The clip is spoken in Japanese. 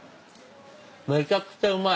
めちゃくちゃうまい。